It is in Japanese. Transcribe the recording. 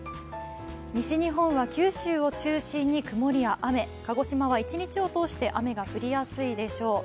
西日本は九州を中心に曇りや雨、鹿児島は一日を通して雨が降りやすいでしょう。